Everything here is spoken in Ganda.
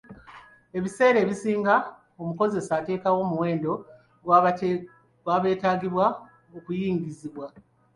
Ebiseera ebisinga, omukozesa ateekawo omuwendo gw'abeetaagibwa okuyingizibwa.